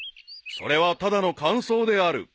［それはただの感想である］